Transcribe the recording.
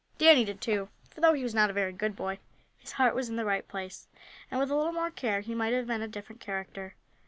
Danny did, too, for though he was not a very good boy, his heart was in the right place, and with a little more care he might have been a different character.